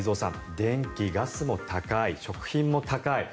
電気、ガスも高い食品も高い。